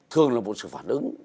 thường là một sự phản ứng